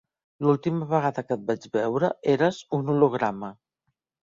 L'última vegada que et vaig veure eres un holograma.